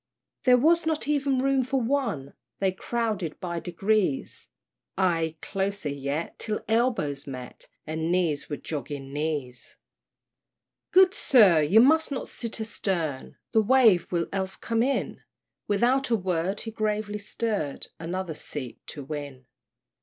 There was not even room for one! They crowded by degrees Ay closer yet, till elbows met, And knees were jogging knees. "Good sir, you must not sit a stern, The wave will else come in!" Without a word he gravely stirred, Another seat to win.